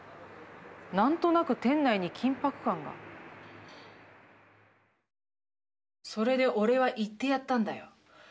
何となく店内に緊迫感が「それでおれは言ってやったんだよ。